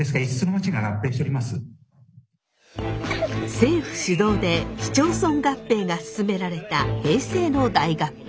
政府主導で市町村合併が進められた平成の大合併。